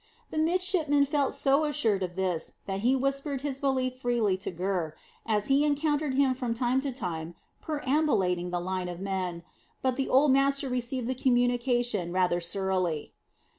The midshipman felt so assured of this, that he whispered his belief freely to Gurr, as he encountered him from time to time perambulating the line of men, but the old master received the communication rather surlily.